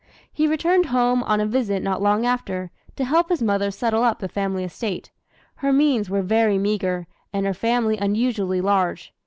He returned home on a visit not long after, to help his mother settle up the family estate. Her means were very meagre, and her family unusually large.